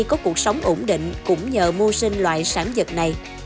có cuộc sống ổn định cũng nhờ mua sinh loại sản vật này